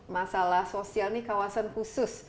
masalah sosial ini kawasan khusus